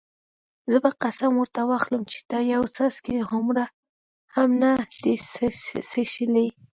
زه به قسم ورته واخلم چې تا یو څاڅکی هومره هم نه دی څښلی.